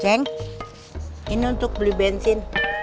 geng ini untuk beli bensin